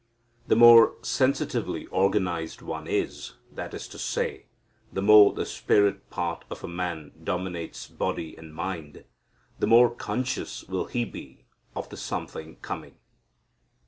The more sensitively organized one is, that is to say, the more the spirit part of a man dominates body and mind, the more conscious will he be of the something coming.